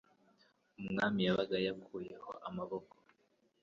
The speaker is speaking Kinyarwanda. umwami yabaga yakuyeho amaboko.